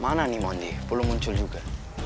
mana nih mony belum muncul juga